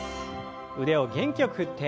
腕を元気よく振って。